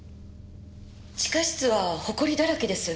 地下室はほこりだらけです。